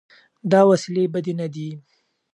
دا وسیلې بدې نه دي.